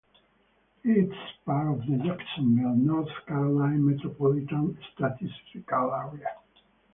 It is part of the Jacksonville, North Carolina Metropolitan Statistical Area.